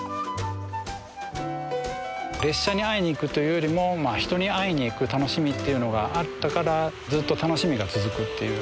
列車に会いに行くというよりも人に会いに行く楽しみっていうのがあったからずっと楽しみが続くっていう。